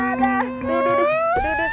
aduh aduh aduh